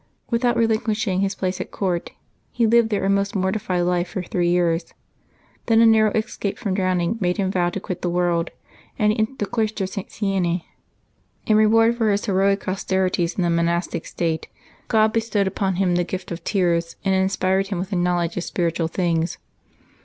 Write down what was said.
Without relinquishing his place at court, he lived there a most mortified life for three years; then a narrow escape from drowning made him vow to quit the world, and he entered the cloister of St. Seine. In reward for his heroic austerities in the monastic state, God bestowed upon 72 LIVES OF THE SAINTS [February 13 him the gift of tears, and inspired him with a knowledge of spiritual things.